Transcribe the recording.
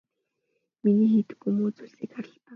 Миний хийдэггүй муу зүйлсийг хар л даа.